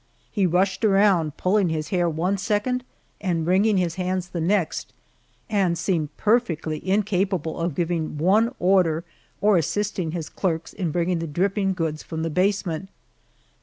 He rushed around pulling his hair one second, and wringing his hands the next, and seemed perfectly incapable of giving one order, or assisting his clerks in bringing the dripping goods from the basement.